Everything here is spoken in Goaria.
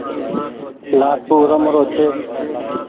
لآٽون رمرو ڇي۔